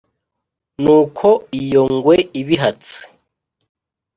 nuko iyo ngwe ibihatse